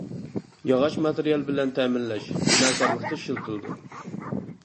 ياغاچ ماتېرىيال بىلەن تەمىنلەش، بىناكارلىقتا ئىشلىتىلىدۇ.